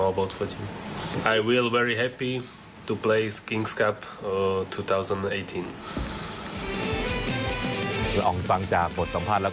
ก็จะมีความสนุกของพวกเราและก็มีความสนุกของพวกเรา